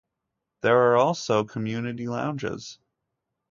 There are also community lounges.